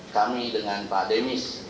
kami dengan pak demis